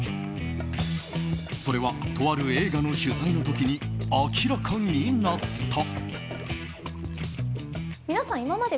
それは、とある映画の取材の時に明らかになった。